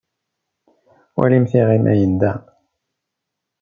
Walimt iɣi ma yenda.